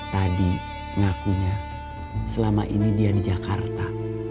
tadi ngakunya selama ini dia di jakarta